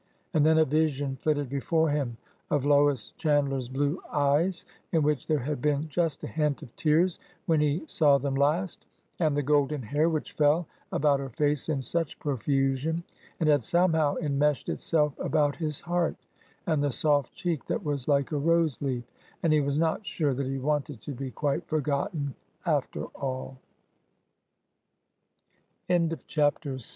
And then a vision flitted before him of Lois Chandler's blue eyes, in which there had been just a hint of tears when he saw them last; and the golden hair vfliich fell about her face in such profusion and had somehow en meshed itself about his heart ; and the soft cheek that was like a rose leaf ;— and he was not sure tha